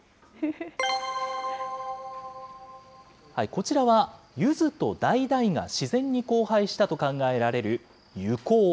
こちらは、ゆずとだいだいが自然に交配したと考えられるゆこう。